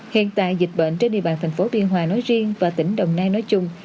hiện tại dịch bệnh trên địa bàn thành phố biên hòa nói riêng và tỉnh đồng nai nói chung